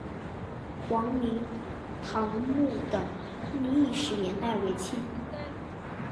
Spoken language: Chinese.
黄明堂墓的历史年代为清。